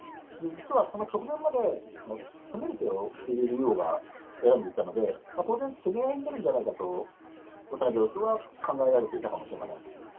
実はその直前まで、攻める手を藤井竜王が選んでいたので、当然、攻め合いになるんじゃないかと、渡辺王将は考えられていたかもしれません。